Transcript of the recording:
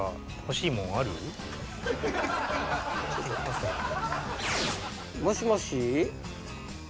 もしもし。